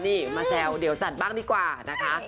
นี่มาแซวเดี๋ยวจัดบ้างดีกว่านะคะ